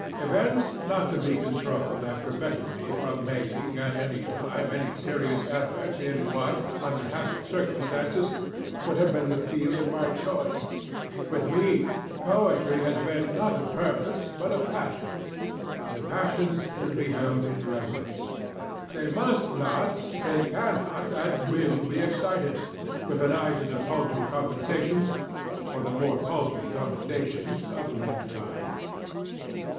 Events not to be controlled have prevented me from making, at any time, any serious effort in what, under happier circumstances, would have been the field of my choice. With me poetry has been not a purpose, but a passion; and the passions should be held in reverence: they must not they can not at will be excited, with an eye to the paltry compensations, or the more paltry commendations, of man kind.